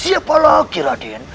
siapa lagi raden